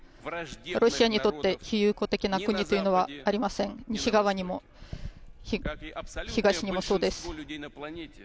ロシアにとって非友好的な国というのはありません、西側にも東側にもそうです。